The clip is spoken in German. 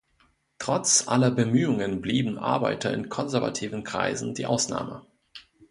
Trotz aller Bemühungen blieben Arbeiter in konservativen Kreisen die Ausnahme.